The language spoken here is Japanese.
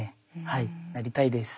はいなりたいです。